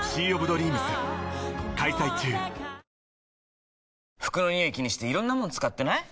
そうですね、服のニオイ気にしていろんなもの使ってない？